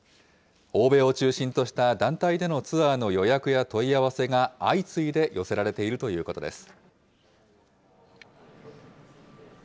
欧米を中心とした団体でのツアーの予約や問い合わせが、相次いで寄せられているということです。